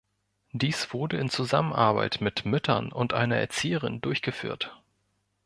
Dies wurde in Zusammenarbeit mit Müttern und einer Erzieherin durchgeführt.